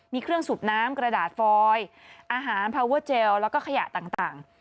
มีเครื่องสูบน้ำกระดาษฟอยอาหารพาวเวอร์เจลแล้วก็ขยะต่าง